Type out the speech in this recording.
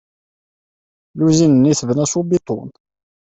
Lluzin-nni tebna s ubiṭun.